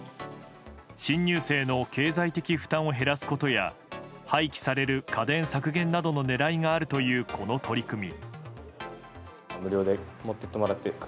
新入生の経済的負担を減らすことや廃棄される家電削減などの狙いがあるというこの取り組み。